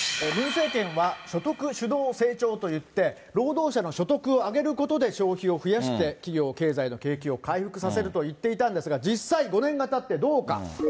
ムン政権は、所得主導成長といって、労働者の所得を上げることで消費を増やして、企業、経済の景気を回復させると言っていたんですが、実際５年がたってどうか。